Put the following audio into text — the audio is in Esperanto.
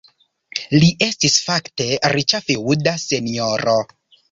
Li estis fakte riĉa feŭda senjoro.